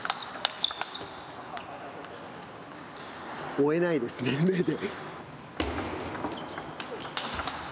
追えないですね、目で。